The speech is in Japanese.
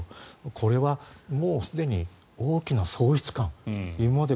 これはもうすでに大きな喪失感今まで